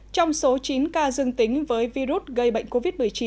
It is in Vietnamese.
trong số chín ca dương tính với virus gây bệnh covid một mươi chín